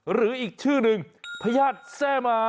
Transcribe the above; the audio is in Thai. หรืออีกชื่อหนึ่งพญาติแซ่มา